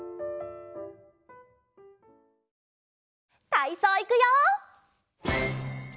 たいそういくよ！